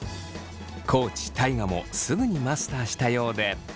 地大我もすぐにマスターしたようで。